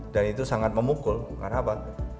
dan itu sangat memukul karena apa